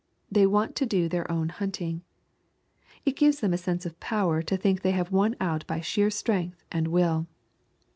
They want to do their own hunting. It gives them a sense of power to think they have won out by sheer strength and will.